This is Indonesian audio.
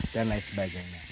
dan lain sebagainya